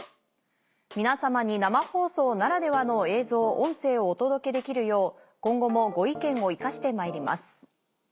「皆様に生放送ならではの映像音声をお届けできるよう今後もご意見を生かしてまいります」。